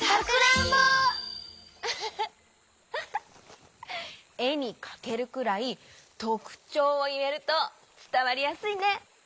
ウフフえにかけるくらいとくちょうをいえるとつたわりやすいね。